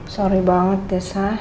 sorry banget deh sa